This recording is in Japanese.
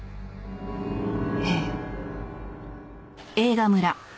ええ。